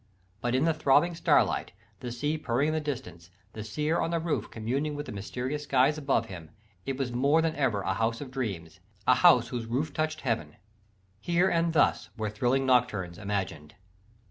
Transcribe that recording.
But in the throbbing starlight, the sea purring in the distance, the seer on the roof communing with the mysterious skies above him, it was more than ever a House of Dream a house whose roof touched heaven. Here and thus were thrilling nocturnes imagined.